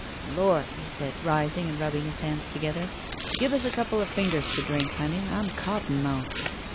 "Lord!" he said, rising and rubbing his hands together. "Give us a couple of fingers to drink, honey; I'm cotton mouthed."